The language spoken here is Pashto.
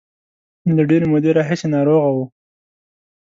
له ډېرې مودې راهیسې ناروغه و.